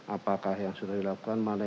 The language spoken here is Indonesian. apakah yang sudah dilakukan mana